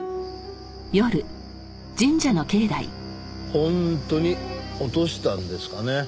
本当に落としたんですかね？